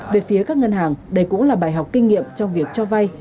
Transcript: về phía các ngân hàng đây cũng là bài học kinh nghiệm trong việc cho vay